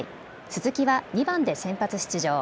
鈴木は２回で先発出場。